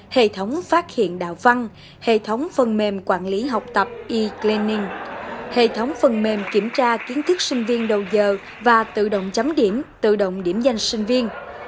hệ thống phát hiện đạo văn hệ thống phần mềm quản lý học tập ecaning hệ thống phần mềm kiểm tra kiến thức sinh viên đầu giờ và tự động chấm điểm tự động điểm danh sinh viên